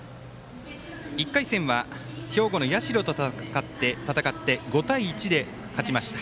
１回戦は兵庫の社と戦って５対１で、勝ちました。